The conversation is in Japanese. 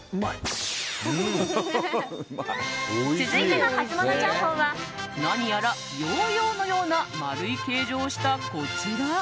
続いてのハツモノ情報は何やら、ヨーヨーのような丸い形状をしたこちら。